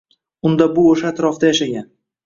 Unda bu oʻsha atrofda yashagan